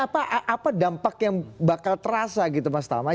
tapi apa dampak yang bakal terasa gitu mas thalma